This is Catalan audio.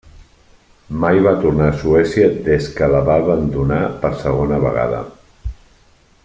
Mai va tornar a Suècia des que la va abandonar per segona vegada.